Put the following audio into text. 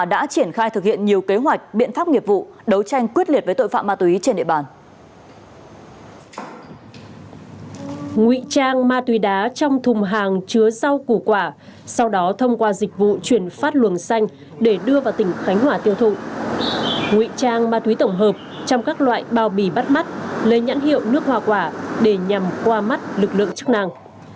đưa vào tỉnh khánh hòa tiêu thụ ngụy trang ma túy tổng hợp trong các loại bao bì bắt mắt lê nhãn hiệu nước hòa quả để nhằm qua mắt lực lượng chức năng